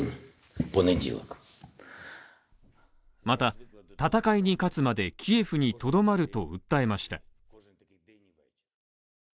また、戦いに勝つまでキエフにとどまると訴えました。